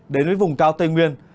đến với vùng cao tây nguyên